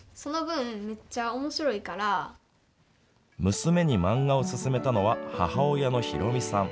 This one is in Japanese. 娘に漫画を勧めたのは母親のひろみさん。